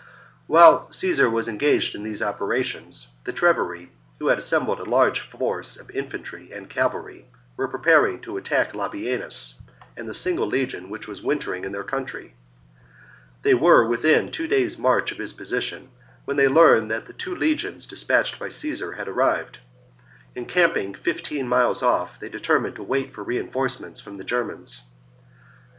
7. While Caesar was engaged in these opera tions, the Treveri, ^ho had assembled a large force of infantry and cavalry, were preparing to attack Labienus and the single legion which was wintering in their country. They were within two days' march of his position when they learned that the two legions dispatched by Caesar had arrived. Encamping fifteen miles off, they deter mined to wait for reinforcements from the Germans.